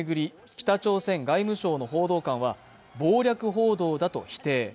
北朝鮮外務省の報道官は謀略報道だと否定